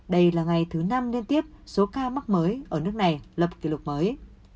đây là ngày thứ năm liên tiếp số ca mắc mới ở nước này lập kỷ lục mới